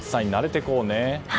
徐々に暑さに慣れていこうね。